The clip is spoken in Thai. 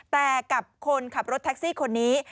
แต่กับคนขับรถแท็กซี่คนนี้